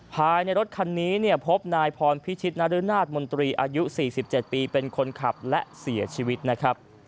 ภายในรถคันนี้เนี่ยพบนายพรพิชิตนรนาศมนตรีอายุ๔๗ปีเป็นคนขับและเสียชีวิตนะครับ